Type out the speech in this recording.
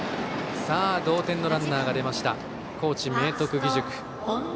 同点のランナーが出ました高知・明徳義塾。